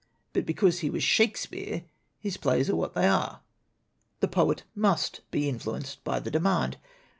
But because he was Shakespeare his plays are what they are. "The poet must be influenced by the demand.